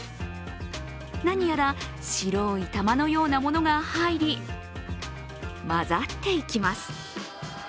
何やら白い玉のようなものが入り、混ざっていきます。